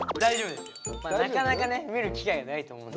なかなかね見る機会ないと思うんですけど。